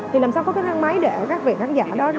thì làm sao có cái thang máy để các vị khán giả đó